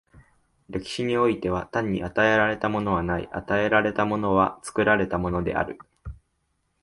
歴史においては、単に与えられたものはない、与えられたものは作られたものである。